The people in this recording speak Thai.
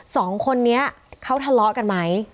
สองคนนี้เขาทะเลาะกันไหม